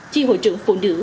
chi hội trưởng phụ nữ